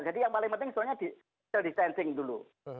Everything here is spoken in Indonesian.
yang paling penting soalnya di social distancing dulu